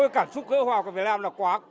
cảm xúc gỡ hòa của việt nam là quá